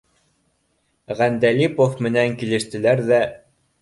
Ғәндәлипов менән килештеләр ҙә